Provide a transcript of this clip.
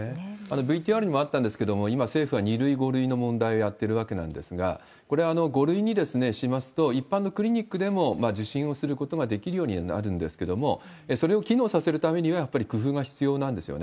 ＶＴＲにもあったんですけれども、今、政府は２類、５類の問題やってるわけなんですが、これ、５類にしますと、一般のクリニックでも受診をすることができるようにはなるんですけれども、それを機能させるためには、やっぱり工夫が必要なんですよね。